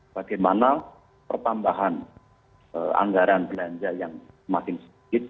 bagaimana pertambahan anggaran belanja yang semakin sedikit